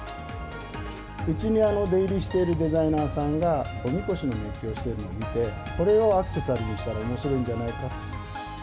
うちに出入りしているデザイナーさんが、おみこしのメッキをしているのを見て、これをアクセサリーにしたら、おもしろいんじゃないかと。